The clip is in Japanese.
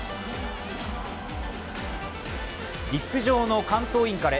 陸上の関東インカレ。